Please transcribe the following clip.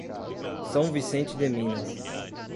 São Vicente de Minas